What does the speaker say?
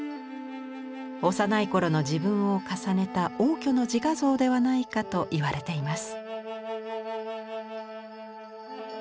幼い頃の自分を重ねた応挙の自画像ではないかと言われています。